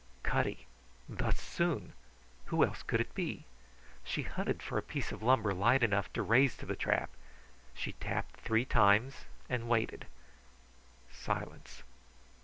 Cutty! Thus soon! Who else could it be? She hunted for a piece of lumber light enough to raise to the trap. She tapped three times, and waited. Silence.